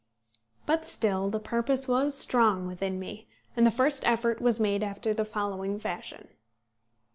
But still the purpose was strong within me, and the first effort was made after the following fashion.